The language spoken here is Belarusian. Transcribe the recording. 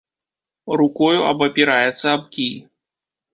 Рукою абапіраецца аб кій.